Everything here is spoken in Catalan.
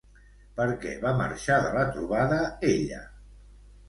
Per què va marxar de la trobada, ella?